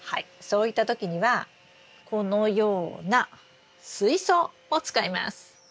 そういった時にはこのような水槽を使います。